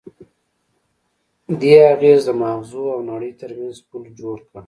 دې اغېز د ماغزو او نړۍ ترمنځ پُل جوړ کړ.